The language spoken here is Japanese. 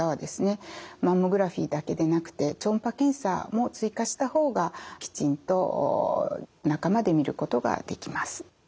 マンモグラフィーだけでなくて超音波検査も追加した方がきちんと中まで見ることができます。